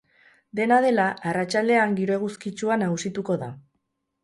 Dena dela, arratsaldean giro eguzkitsua nagusituko da.